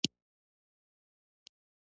ځینې نور بیا په یخ باندې ناست وي